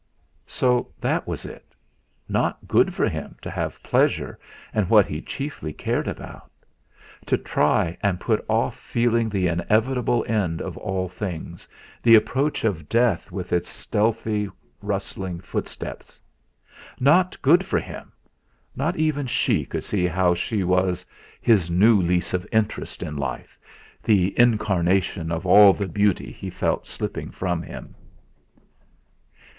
So, there it was! Not good for him to have pleasure and what he chiefly cared about; to try and put off feeling the inevitable end of all things, the approach of death with its stealthy, rustling footsteps. Not good for him! Not even she could see how she was his new lease of interest in life, the incarnation of all the beauty he felt slipping from him.